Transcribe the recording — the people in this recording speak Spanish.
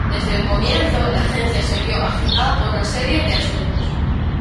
Desde el comienzo la agencia se vio agitada por una serie de asuntos.